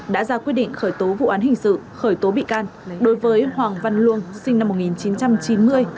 đã ra quyết định khởi tố vụ án hình sự khởi tố bị can đối với hoàng văn luông sinh năm một nghìn chín trăm chín mươi